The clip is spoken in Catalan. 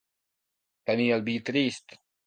Tenir el vi trist.